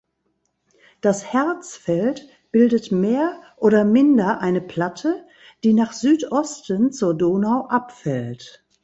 Das Härtsfeld bildet mehr oder minder eine Platte, die nach Südosten zur Donau abfällt.